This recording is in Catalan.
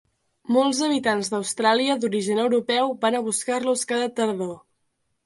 Molts habitants d'Austràlia d'origen europeu van a buscar-los cada tardor.